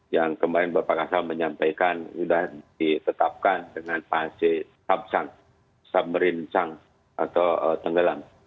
yang kemarin bapak kasar menyampaikan sudah ditetapkan dengan pasir sab sang sab merin sang atau tenggelam